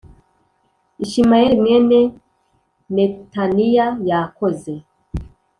Ishimayeli mwene Netaniya yakoze